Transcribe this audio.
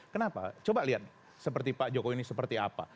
kenapa coba lihat seperti pak jokowi ini seperti apa